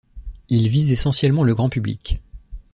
Il vise essentiellement le grand public.